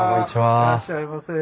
いらっしゃいませ。